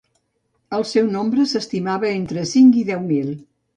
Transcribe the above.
El seu nombre s'estimava entre cinc i deu mil.